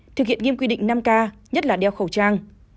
thực hiện nghiêm quy định năm k nhất là đeo khẩu trang